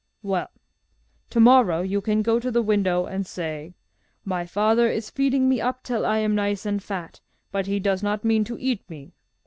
'Well, to morrow you can go to the window and say, "My father is feeding me up till I am nice and fat, but he does not mean to eat me.